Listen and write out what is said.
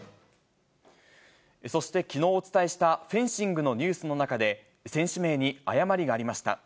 そしてきのうお伝えしたフェンシングのニュースの中で、選手名に誤りがありました。